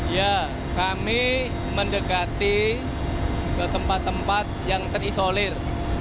ya kami mendekati ke tempat tempat yang terisolir